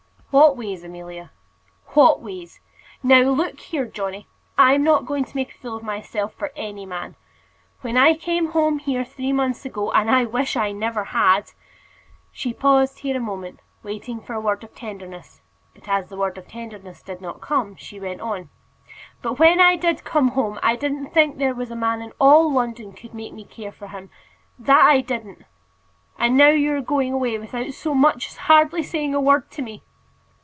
"What ways, Amelia?" "What ways! Now, look here, Johnny: I'm not going to make a fool of myself for any man. When I came home here three months ago and I wish I never had;" she paused here a moment, waiting for a word of tenderness; but as the word of tenderness did not come, she went on "but when I did come home, I didn't think there was a man in all London could make me care for him, that I didn't. And now you're going away, without so much as hardly saying a word to me."